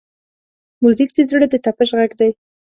موزیک د زړه د طپش غږ دی.